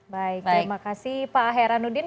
baik terima kasih pak heranuddin